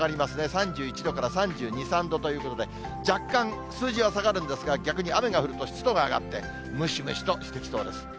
３１度から３２、３度ということで、若干、数字は下がるんですが、逆に雨が降ると、湿度が上がってムシムシとしてきそうです。